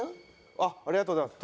ありがとうございます。